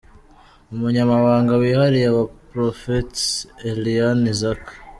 Umunyamabanga wihariye wa Prophetess Eliane Isaac.